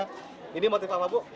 ini salah satunya ini motif apa bu